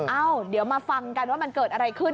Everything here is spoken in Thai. เอ้าเดี๋ยวมาฟังกันว่ามันเกิดอะไรขึ้น